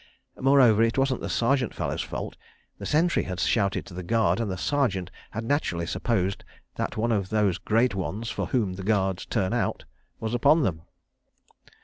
Moreover—it wasn't the Sergeant fellow's fault. The sentry had shouted to the Guard, and the Sergeant had naturally supposed that one of those Great Ones, for whom Guards turn out, was upon them.